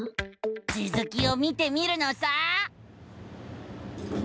つづきを見てみるのさ！